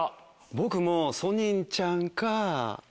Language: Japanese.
僕もソニンちゃんか。